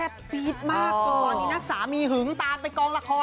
ตอนนี้อนที่จะปันเมื่อกี๊นัทสามีหึงตามไปกองละคอโน้น